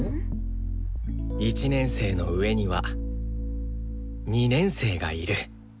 １年生の上には２年生がいる。